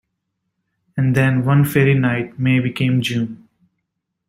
And then, one fairy night, May became June.